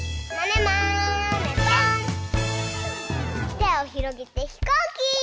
てをひろげてひこうき！